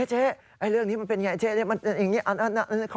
เจ๊เรื่องนี้มันเป็นอย่างไรโทษนะ